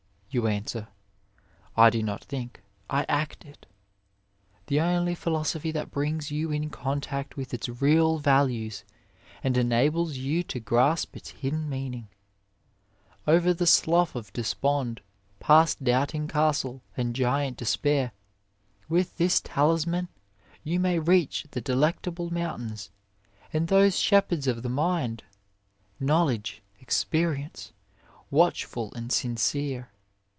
you answer, I do not think I act it; the only philosophy that brings you in contact with its real values and enables you to grasp its hidden meaning. Over the Slough of Despond, past Doubting Castle and Giant Despair, with this talisman you may reach the Delectable Mountains, and those Shep herds of the Mind Knowledge, Experience, Watchful and Sincere.